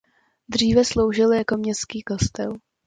Dříve sloužil jako městský kostel.